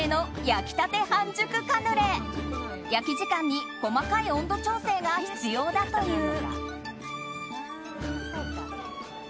焼き時間に細かい温度調整が必要だという。